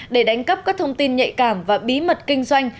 để đánh cắp các thông tin nhạy cảm và bí mật kinh doanh